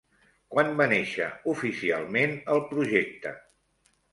Quan va néixer oficialment el projecte?